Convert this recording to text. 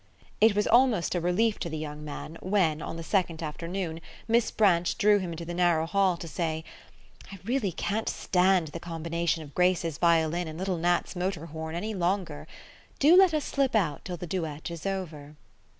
It was almost a relief to the young man when, on the second afternoon, Miss Branch drew him into the narrow hall to say: "I really can't stand the combination of Grace's violin and little Nat's motor horn any longer. Do let us slip out till the duet is over."